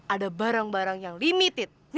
ada barang barang yang limited